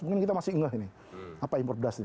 mungkin kita masih enggak ini apa impor beras ini